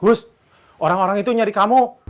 gus orang orang itu nyari kamu